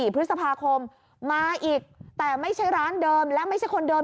พฤษภาคมมาอีกแต่ไม่ใช่ร้านเดิมและไม่ใช่คนเดิม